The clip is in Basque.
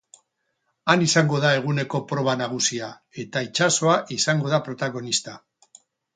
Han izango da eguneko proba nagusia, eta itsasoa izango da protagonista.